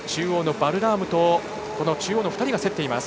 バルラームと中央の２人が競っています。